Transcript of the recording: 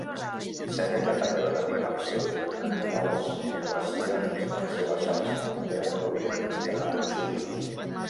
Sèneca també va dedicar el seu Naturals Quaestiones i el seu assaig De Providentia a Lucilius.